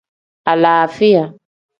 Alaafiya.